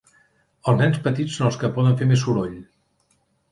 Els nens petits són els que poden fer més soroll.